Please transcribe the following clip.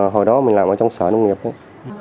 hồi đó mình làm ở trong sở nông nghiệp ấy